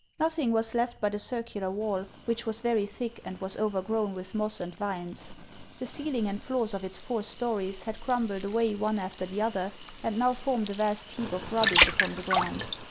Nothing was left but a circular wall, which was very thick, and was overgrown with moss and vines. The ceil ing and floors of its four stories had crumbled away one after the other, and now formed a vast heap of rubbish upon the ground.